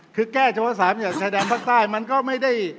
คือแก้เฉพาะ๓อย่างชายแดนภาคใต้มันก็ไม่ได้